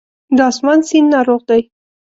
د آسمان سیند ناروغ دی